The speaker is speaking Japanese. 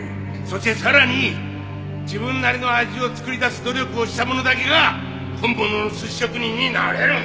そしてさらに自分なりの味を作り出す努力をした者だけが本物の寿司職人になれる！